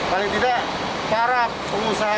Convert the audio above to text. paling tidak para pengusaha